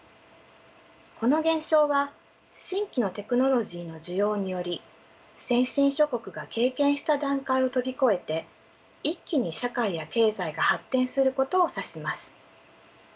この現象は新規のテクノロジーの需要により先進諸国が経験した段階を飛び越えて一気に社会や経済が発展することを指します。